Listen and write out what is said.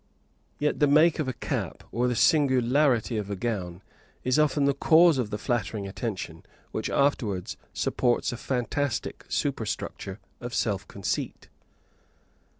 Yet the make of a cap or the singularity of a gown is often the cause of the flattering attention which afterwards supports a fantastic superstructure of self conceit.